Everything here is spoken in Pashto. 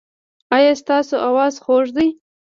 ایا ستاسو اواز خوږ دی؟